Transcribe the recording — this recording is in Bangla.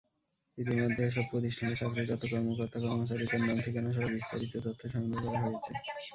ইতিমধ্যে এসব প্রতিষ্ঠানে চাকরিরত কর্মকর্তা-কর্মচারীদের নাম, ঠিকানাসহ বিস্তারিত তথ্য সংগ্রহ করা হয়েছে।